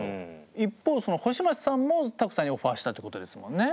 一方星街さんもＴＡＫＵさんにオファーしたってことですもんね。